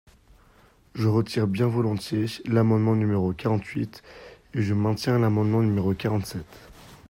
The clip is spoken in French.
Je retire bien volontiers l’amendement numéro quarante-huit, et je maintiens l’amendement numéro quarante-sept.